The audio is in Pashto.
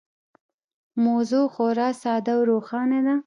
موضوع خورا ساده او روښانه ده.